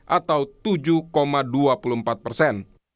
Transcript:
atau tujuh dua puluh empat persen